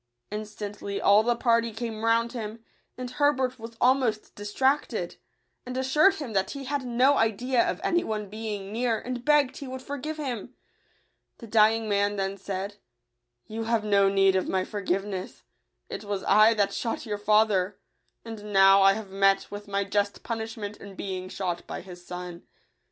Instantly all the party came round him ; and Herbert was almost distracted, and assured him that he had no idea of any one being near, and begged he would forgive him. The dying man then said, " You have no need of my forgiveness: it was I that shot your fa ther ; and now I have met with my just pun ishment in being shot by his son.